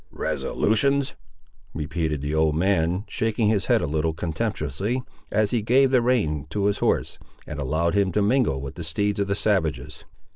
"Resolutions!" repeated the old man, shaking his head a little contemptuously as he gave the rein to his horse, and allowed him to mingle with the steeds of the savages.